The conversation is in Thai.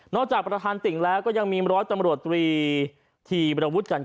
นอกจากประธานติ่งแล้วก็ยังมีมารถตำรวจที่บริวุธการแกล้ง